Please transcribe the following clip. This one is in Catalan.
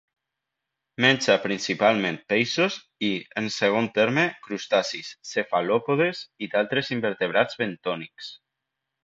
Menja principalment peixos i, en segon terme, crustacis, cefalòpodes i d'altres invertebrats bentònics.